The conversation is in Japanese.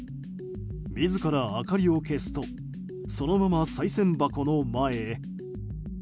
自ら明かりを消すとそのまま、さい銭箱の前へ。